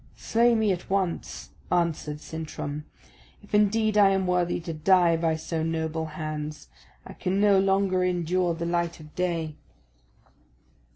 "Slay me at once," answered Sintram, "if indeed I am worthy to die by so noble hands. I can no longer endure the light of day."